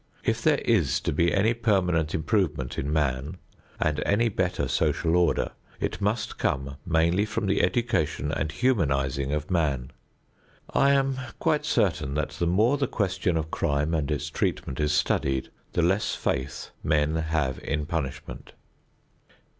If there is to be any permanent improvement in man and any better social order, it must come mainly from the education and humanizing of man. I am quite certain that the more the question of crime and its treatment is studied the less faith men have in punishment.